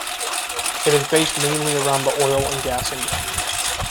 It is based mainly around the oil and gas industry.